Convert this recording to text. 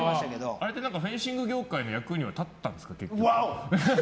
あれって、フェンシング業界の役には立ったんですか？